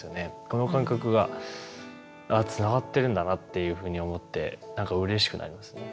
この感覚がああつながってるんだなっていうふうに思ってなんかうれしくなりますね。